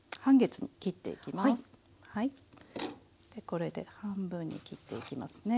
これで半分に切っていきますね。